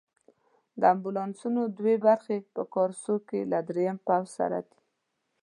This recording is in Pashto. د امبولانسونو دوه برخې په کارسو کې له دریم پوځ سره دي.